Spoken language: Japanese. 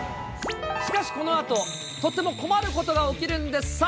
しかしこのあと、とても困ることが起きるんです。